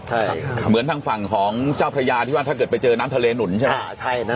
ใช่ค่ะเหมือนทางฝั่งของเจ้าพระยาที่ว่าถ้าเกิดไปเจอน้ำทะเลหนุนใช่ไหม